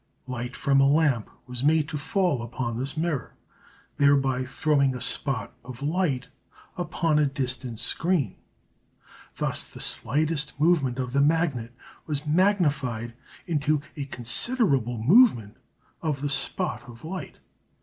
Light from a lamp was made to fall upon this mirror, thereby throwing a spot of light upon a distant screen. Thus the slightest movement of the magnet was magnified into a considerable movement of the spot of light.